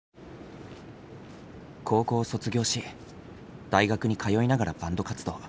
高校を卒業し大学に通いながらバンド活動。